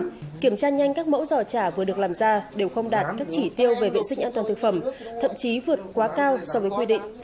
khi kiểm tra nhanh các mẫu giò chả vừa được làm ra đều không đạt các chỉ tiêu về vệ sinh an toàn thực phẩm thậm chí vượt quá cao so với quy định